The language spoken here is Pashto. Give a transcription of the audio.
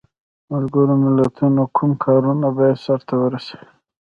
ملګرو ملتونو کوم کارونه باید سرته ورسوي؟